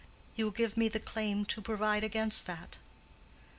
You will give me the claim to provide against that."